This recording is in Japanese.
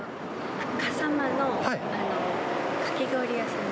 笠間のかき氷屋さんに。